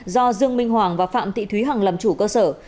do dương minh hoàng và phạm thị thúy hằng làm chủ cơ sở